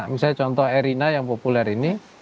misalnya contoh erina yang populer ini